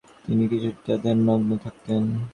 তিনি কিছুটা ধ্যানমগ্ন থাকতেন।